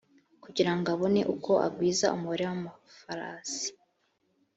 kugira ngo abone uko agwiza umubare w’amafarasi;